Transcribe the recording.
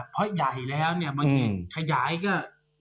เพราะใหญ่แล้วเนี่ยบางทีขยายก็